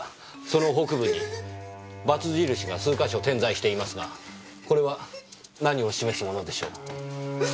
その北部にバツ印が数か所点在していますがこれは何を示すものでしょう？